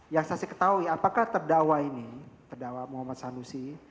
yang saksi ketahui apakah terdakwa ini terdakwa muhammad sanusi